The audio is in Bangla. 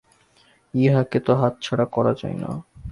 ইহাকে তো হাতছাড়া করা যায় না।